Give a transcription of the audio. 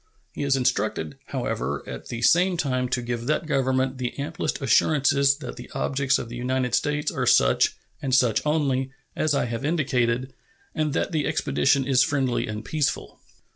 He is instructed, however, at the same time, to give that Government the amplest assurances that the objects of the United States are such, and such only, as I have indicated, and that the expedition is friendly and peaceful.